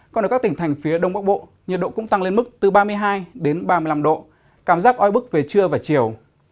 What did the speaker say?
còn ở các tỉnh thành phía đông bắc bộ nhiệt độ cũng tăng lên mức từ ba mươi hai đến ba mươi năm độ cảm giác oi bức về trưa và chiều